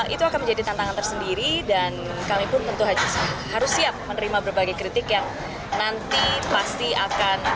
itu akan menjadi tantangan tersendiri dan kami pun tentu harus siap menerima berbagai kritik yang nanti pasti akan